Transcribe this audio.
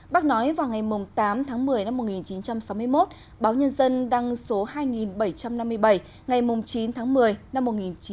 bác nói vào ngày tám tháng một mươi năm một nghìn chín trăm sáu mươi một báo nhân dân đăng số hai nghìn bảy trăm năm mươi bảy ngày chín tháng một mươi năm một nghìn chín trăm bảy mươi